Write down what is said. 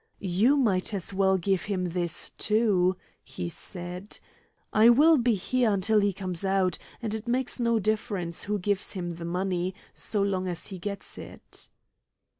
"You might as well give him this too," he said. "I will be here until he comes out, and it makes no difference who gives him the money, so long as he gets it."